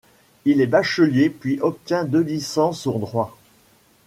Il est bachelier, puis obtient deux licences en droit.